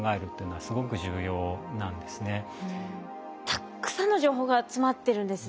たっくさんの情報が詰まってるんですね。